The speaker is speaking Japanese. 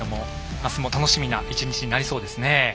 明日も楽しみな１日になりそうです。